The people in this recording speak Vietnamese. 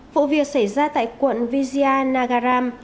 vụ việc xảy ra tại quận vizia nagaram